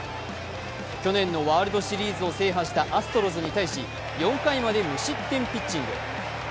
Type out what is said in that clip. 去年のワールドシリーズを制覇したアストロズに対し、４回まで無失点ピッチング。